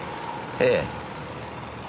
ええ。